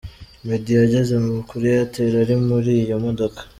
Meddy yageze kuri Airtel ari muri iyi modoka.